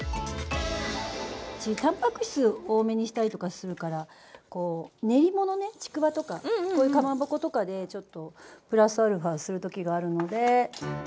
うち、たんぱく質多めにしたりとかするから練りもの、ちくわとかかまぼことかでちょっとプラスアルファするときがあるので。